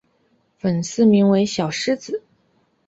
粉丝名为小狮子。